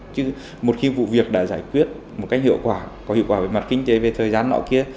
chứ một khi vụ việc đã giải quyết một cách hiệu quả có hiệu quả về mặt kinh tế về thời gian họ kia